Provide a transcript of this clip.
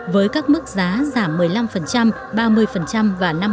với các mức giá giảm một mươi năm ba mươi và năm mươi